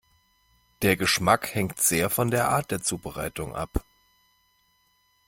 Der Geschmack hängt sehr von der Art der Zubereitung ab.